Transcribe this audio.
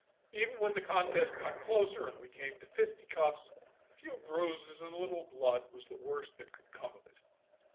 Even when the contest got closer and we came to fisticuffs, a few bruises and a little blood was the worst that could come of it.